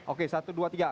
oke satu dua tiga